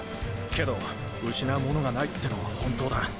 けど失うものがないってのは本当だ。